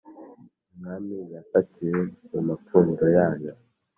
umwami yafatiwe mu mapfundo yayo.